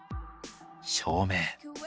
照明。